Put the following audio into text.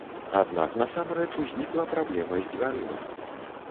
Аднак насамрэч узнікла праблема з дзвярыма.